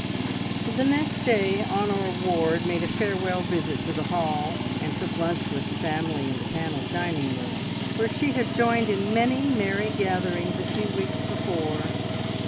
The next day Honor Ward made a farewell visit to the Hall, and took lunch with the family in the panelled dining room, where she had joined in many merry gatherings a few weeks before.